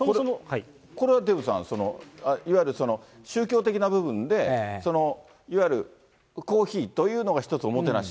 これはデーブさん、いわゆる宗教的な部分で、いわゆる、コーヒーというのが、一つおもてなし？